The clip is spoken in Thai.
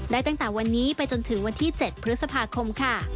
ตั้งแต่วันนี้ไปจนถึงวันที่๗พฤษภาคมค่ะ